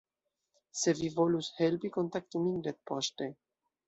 Se vi volus helpi, kontaktu min retpoŝte!